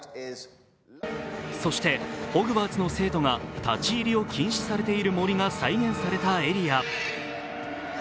そしてホグワーツの生徒が立ち入りを禁止されている森が再現されたエリア。